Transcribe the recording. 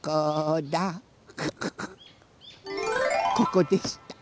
ここでした。